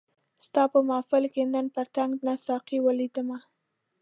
ستا په محفل کي نه پتنګ نه ساقي ولیدمه